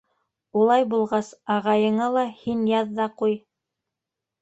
— Улай булғас, ағайыңа ла һин яҙ ҙа ҡуй.